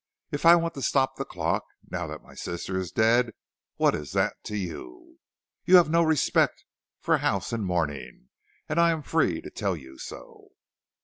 If I want to stop the clock, now that my sister is dead, what is that to you? You have no respect for a house in mourning, and I am free to tell you so.'